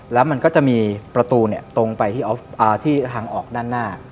แล้วมันก็จะมีประตูตรงไปที่ทางออกด้านหน้า